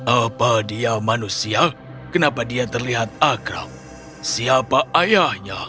apa dia manusia kenapa dia terlihat akrab siapa ayahnya